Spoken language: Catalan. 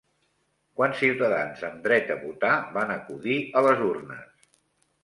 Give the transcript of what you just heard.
Quants ciutadans amb dret a votar van acudir a les urnes?